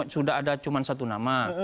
sudah ada cuma satu nama